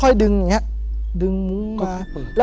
ผมก็ไม่เคยเห็นว่าคุณจะมาทำอะไรให้คุณหรือเปล่า